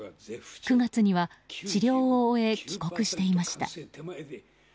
９月には治療を終え帰国していました。